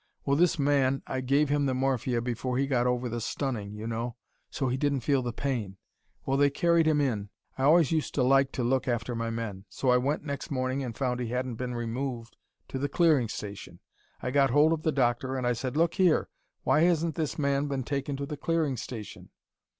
Well, this man I gave him the morphia before he got over the stunning, you know. So he didn't feel the pain. Well, they carried him in. I always used to like to look after my men. So I went next morning and I found he hadn't been removed to the Clearing Station. I got hold of the doctor and I said, 'Look here! Why hasn't this man been taken to the Clearing Station?'